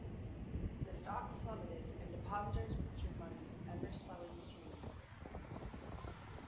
The stock plummeted and depositors withdrew money in ever-swelling streams.